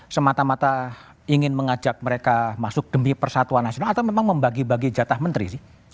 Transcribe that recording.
semata mata ingin mengajak mereka masuk demi persatuan nasional atau memang membagi bagi jatah menteri sih